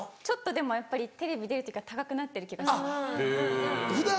ちょっとでもやっぱりテレビ出る時は高くなってる気がします。